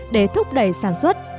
để thúc đẩy sản xuất